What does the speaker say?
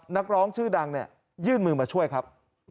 นักร้องชื่อดังเนี่ยยื่นมือมาช่วยครับ